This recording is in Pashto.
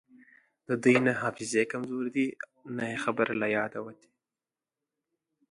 د دوی نه حافظې کمزورې دي نه یی خبره له یاده وتې